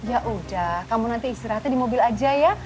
ya udah kamu nanti istirahatnya di mobil aja ya